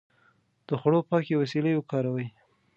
د خوړو پاکې وسيلې وکاروئ.